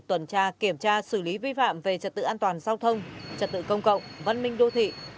tuần tra kiểm tra xử lý vi phạm về trật tự an toàn giao thông trật tự công cộng văn minh đô thị